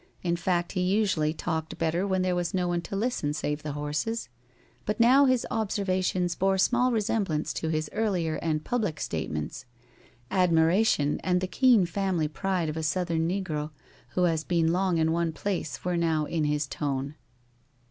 In fact, he usually talked better when there was no one to listen save the horses. But now his observations bore small resemblance to his earlier and public statements. Admiration and the keen family pride of a Southern negro who has been long in one place were now in his tone.